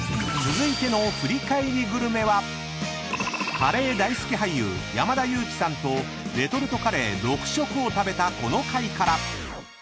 ［カレー大好き俳優山田裕貴さんとレトルトカレー６食を食べたこの回から］